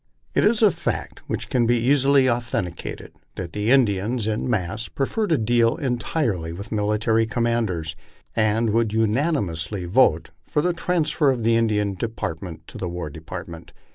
It is a fact which can be easily authenticated, that the Indians, in mass, prefer to deal entirely with military commanders, and would unanimously vote for the transfer of 120 LIFE ON THE PLAINS. the Indian department to the War Department.